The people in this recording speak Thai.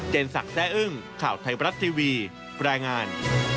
เจนสักแซ่อึ้งข่าวไทยบรัสทีวีปรายงาน